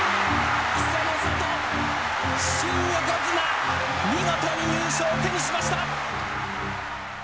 稀勢の里新横綱見事に優勝を手にしました！